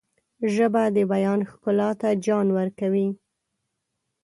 ژبه د بیان ښکلا ته جان ورکوي